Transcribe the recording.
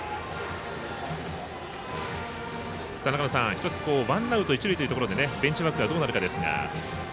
１つ、ワンアウト、一塁というところでベンチワークがどうなるかですが。